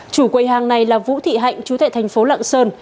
chủ quầy hàng này là vũ thị hạnh chú tại thành phố lạng sơn